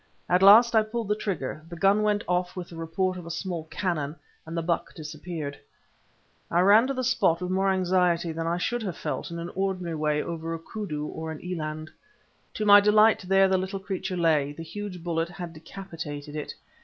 At last I pulled the trigger, the gun went off with the report of a small cannon, and the buck disappeared. I ran to the spot with more anxiety than I should have felt in an ordinary way over a koodoo or an eland. To my delight there the little creature lay—the huge bullet had decapitated it.